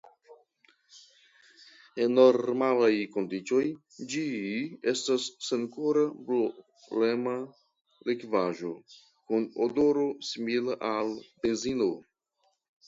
En normalaj kondiĉoj ĝi estas senkolora brulema likvaĵo kun odoro simila al benzino.